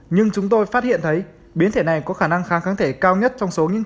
nhưng chúng tôi phát hiện thấy biến thể này có khả năng kháng kháng thể cao nhất trong số những